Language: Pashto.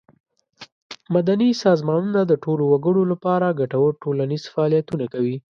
مدني سازمانونه د ټولو وګړو له پاره ګټور ټولنیز فعالیتونه کوي.